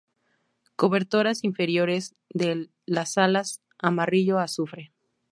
Cobertoras inferiores de las alas amarillo azufre.